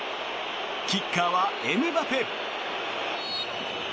キッカーはエムバペ。